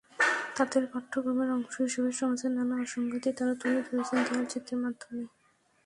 তাঁদের পাঠক্রমের অংশ হিসেবে সমাজের নানা অসংগতি তাঁরা তুলে ধরেছেন দেয়ালচিত্রের মাধ্যমে।